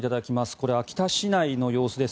これ、秋田市内の様子です。